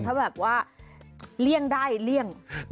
ถ้าแบบว่าเลี่ยงได้เลี่ยง